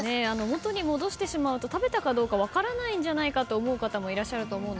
元に戻してしまうと食べたかどうか分からないんじゃないかって思う方もいらっしゃると思います。